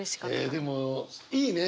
えっでもいいね。